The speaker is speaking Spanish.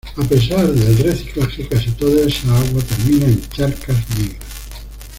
A pesar del reciclaje, casi toda esa agua termina en charcas negras.